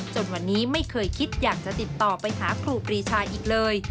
จนวันนี้ไม่เคยคิดอยากจะติดต่อไปหาครูปรีชาอีกเลย